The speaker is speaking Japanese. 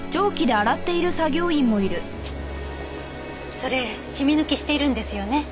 それシミ抜きしているんですよね？